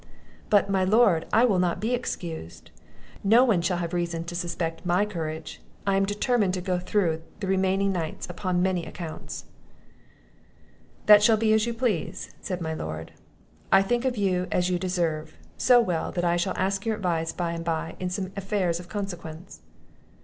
"But, my lord, I will not be excused; no one shall have reason to suspect my courage; I am determined to go through the remaining nights upon many accounts." "That shall be as you please," said my Lord. "I think of you as you deserve; so well, that I shall ask your advice by and by in some affairs of consequence."